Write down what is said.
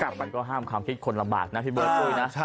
กลับไปก็ห้ามความคิดคนลำบากนะพี่เบิร์ด